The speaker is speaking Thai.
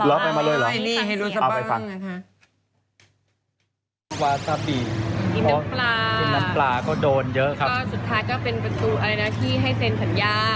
เอาไปฟัง